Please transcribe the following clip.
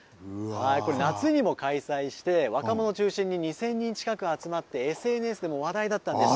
夏にも開催して若者を中心に２０００人近く集まってＳＮＳでも話題だったんです。